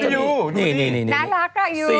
นี่นี่นี่นี่